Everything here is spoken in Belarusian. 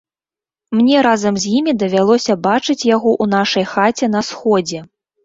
Мне разам з усімі давялося бачыць яго ў нашай хаце на сходзе.